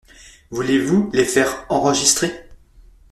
Voulez-vous les faire enregistrer ?…